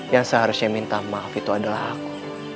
yang seharusnya minta maaf itu adalah aku